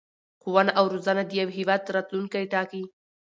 ښوونه او رزونه د یو هېواد راتلوونکی ټاکي.